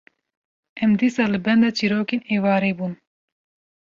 em dîsa li benda çîrokên êvarê bûn.